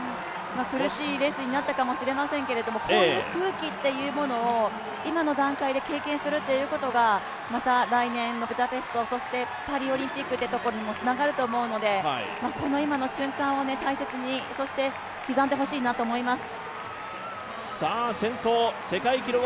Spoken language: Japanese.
苦しいレースになったかもしれませんけど、こういう空気というものを、今の段階で経験することがまた来年のブタペスト、そしてパリオリンピックにもつながると思うので、今の瞬間を大切にそして刻んでほしいなと思います。